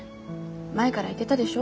前がら言ってたでしょ？